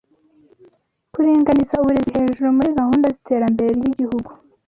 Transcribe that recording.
Kuringaniza uburezi hejuru muri gahunda ziterambere ryigihugu